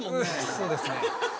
そうですね。